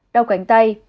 đau cánh tay